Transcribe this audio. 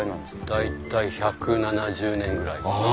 大体１７０年ぐらいかな。